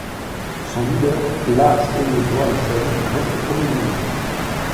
Son leader, Lars Emil Johansen, reste Premier ministre.